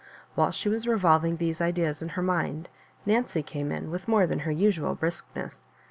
While she was revolving these ideas in her mind, Nancy came in with more than her usual briskness.